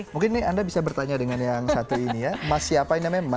mungkin nih anda bisa bertanya dengan yang satu ini ya mas siapa ini namanya